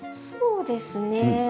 そうですね。